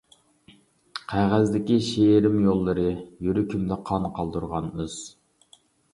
قەغەزدىكى شېئىرىم يوللىرى، يۈرىكىمدە قان قالدۇرغان ئىز.